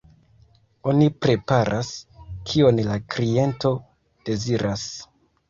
Oni preparas, kion la kliento deziras.